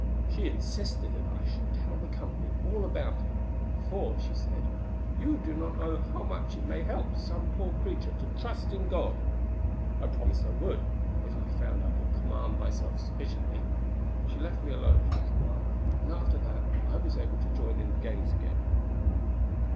She insisted that I should tell the company all about it; 'for' she said, 'you do not know how much it may help some poor creature to trust in God.' I promised I would, if I found I could command myself sufficiently. She left me alone for a little while, and after that I was able to join in the games again.